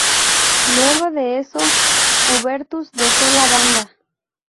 Luego de eso, Hubertus dejó la banda.